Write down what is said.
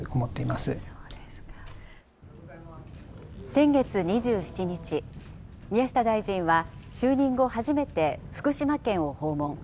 先月２７日、宮下大臣は就任後、初めて福島県を訪問。